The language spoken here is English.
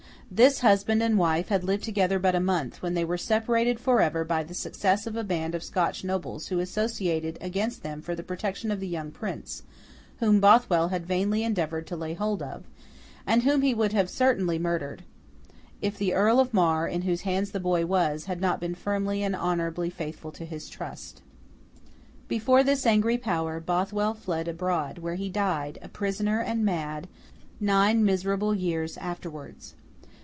This husband and wife had lived together but a month, when they were separated for ever by the successes of a band of Scotch nobles who associated against them for the protection of the young Prince: whom Bothwell had vainly endeavoured to lay hold of, and whom he would certainly have murdered, if the Earl of Mar, in whose hands the boy was, had not been firmly and honourably faithful to his trust. Before this angry power, Bothwell fled abroad, where he died, a prisoner and mad, nine miserable years afterwards.